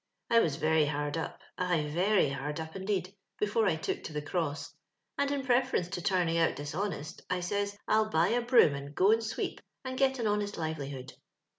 "I was very hard up — ay, very hard up indeed — before I took to the cross, and, in preference to tiuning out dishonest, I says, I'll buy a broom and go and sweep and get a honest livelihood.